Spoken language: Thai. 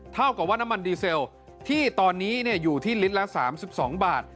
เท่ากับว่าน้ำมันดีเซลที่ตอนนี้อยู่ที่ลิตรละ๓๒บาท